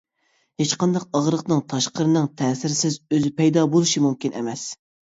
ھېچقانداق ئاغرىقنىڭ تاشقىرىنىڭ تەسىرسىز ئۆزى پەيدا بولۇشى مۇمكىن ئەمەس.